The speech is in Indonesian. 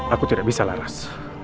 aku tidak bisa laras